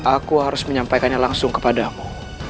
aku harus menyampaikannya langsung kepadamu